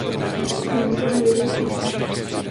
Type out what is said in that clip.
Nemůžeme vědět všechno.